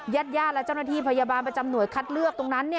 ญาติญาติและเจ้าหน้าที่พยาบาลประจำหน่วยคัดเลือกตรงนั้น